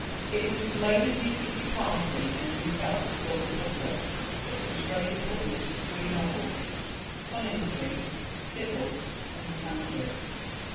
] It was to lay the views of his party and himself before the public that Disraeli published the three novels, Coningsby, Sybil, and Tancred.